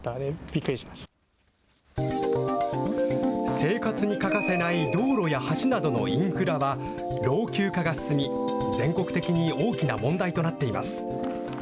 生活に欠かせない道路や橋などのインフラは、老朽化が進み、全国的に大きな問題となっています。